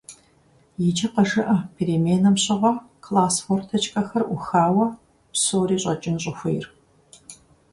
Иджы къыжыӀэ переменэм щыгъуэ класс форточкэхэр Ӏухауэ псори щӀэкӀын щӀыхуейр.